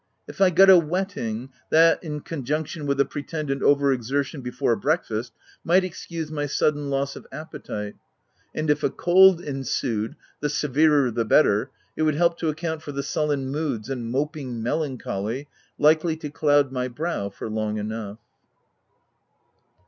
If I got a wetting, that, in conjunction with a pretended over exertion before breakfast, might excuse my sudden loss of appetite ; and if a cold ensued, the severer the better, it would help to account for the sullen moods and moping melancholy likely to cloud my brow for long enough.